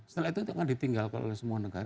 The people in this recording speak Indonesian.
setelah itu akan ditinggalkan oleh semua negara